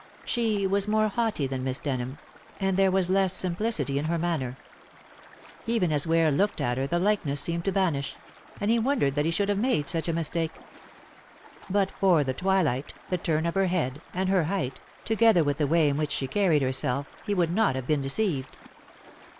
She was more haughty than Miss Denham, and there was less simplicity in her manner. Even as Ware looked at her the likeness seemed to vanish, and he wondered that he should have made such a mistake. But for the twilight, the turn of her head, and her height, together with the way in which she carried herself, he would not have been deceived.